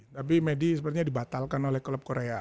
tapi medi sepertinya dibatalkan oleh klub korea